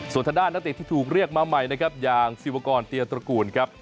ส่วนทางด้านนักเตะที่ถูกเรียกมาใหม่นะครับอย่างศิวกรเตียตระกูลครับ